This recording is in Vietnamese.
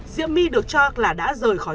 diễm my được cho là đã rời khỏi